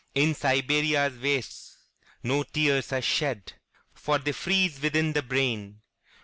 In Siberia's wastesNo tears are shed, For they freeze within the brain.